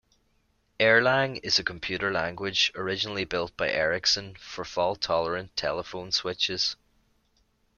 Erlang is a computer language originally built by Ericsson for fault-tolerant telephone switches.